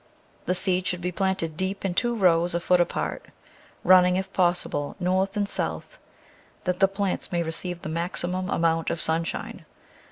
The seed should be planted deep in two rows a foot apart, running, if possible, north and south, that the plants may receive the maximum amount of sunshine.